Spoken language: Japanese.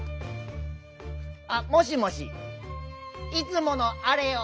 あもしもしいつもの「あれ」を